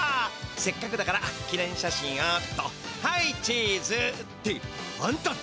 せっかくだから記ねん写真をっとはいチーズ！ってあんただれ？